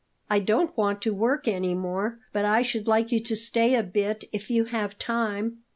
"I don't want to work any more, but I should like you to stay a bit if you have time."